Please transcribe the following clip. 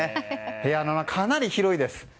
部屋はかなり広いです。